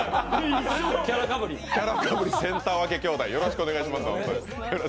キャラかぶり、センター分け兄弟、お願いします。